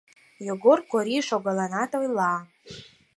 Йогор Кори шогалынат, ойла: